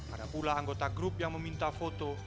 ada pula anggota grup yang meminta foto